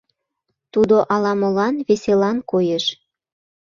Тудо ала-молан веселан коеш.